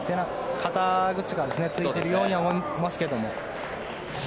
肩口がついているように思いますけども。